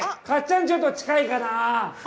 かっちゃん、ちょっと近いかなぁ。